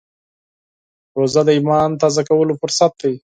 روژه د ایمان تازه کولو فرصت دی.